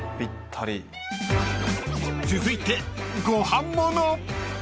［続いてご飯もの］